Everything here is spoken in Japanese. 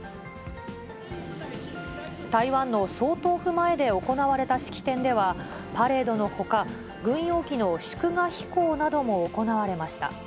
台湾の総統府前で行われた式典では、パレードのほか、軍用機の祝賀飛行なども行われました。